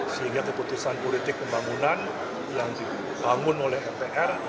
sehingga keputusan politik pembangunan yang dibangun oleh mpr